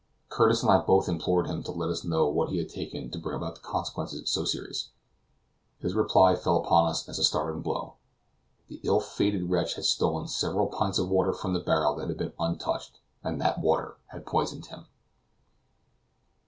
Curtis and I both implored him to let us know what he had taken to bring about consequences so serious. His reply fell upon us as a startling blow. The ill fated wretch had stolen several pints of water from the barrel that had been untouched, and that water had poisoned him!